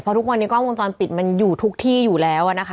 ทุกวันนี้กล้องวงจรปิดมันอยู่ทุกที่อยู่แล้วนะคะ